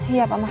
iya pak makasih